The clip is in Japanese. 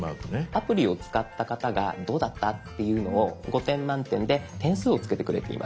アプリ使った方がどうだったっていうのを５点満点で点数をつけてくれています。